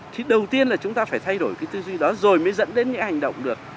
thì đầu tiên là chúng ta phải thay đổi cái tư duy đó rồi mới dẫn đến những hành động được